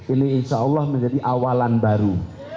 ini insya allah menjadi awalan baru